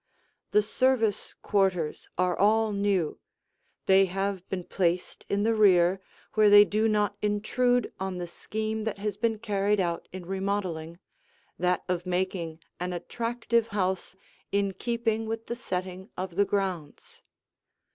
The service quarters are all new; they have been placed in the rear, where they do not intrude on the scheme that has been carried out in remodeling that of making an attractive house in keeping with the setting of the grounds.